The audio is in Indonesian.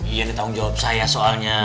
iya ini tanggung jawab saya soalnya